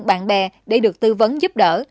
bạn bè để được tư vấn giúp đỡ